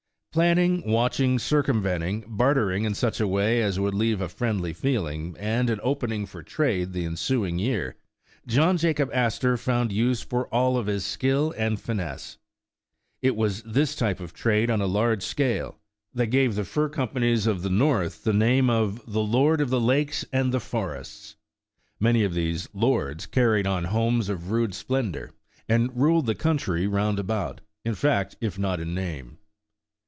Planning, watching, circumventing, bartering in such a way as would leave a friendly feeling, and an opening for trade the ensuing year, John Jacob Astor found use for all his skill and finesse. It was this type of trade on a large scale that gave the fur companies of 97 The Original John Jacob Astor the North the name of '' The Lords of the Lakes aud the Forests." Many of these "Lords" carried on homes of rude splendor, and ruled the country round about, in fact, if not in name.